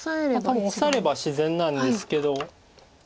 多分オサえれば自然なんですけど。